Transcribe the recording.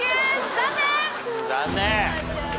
残念。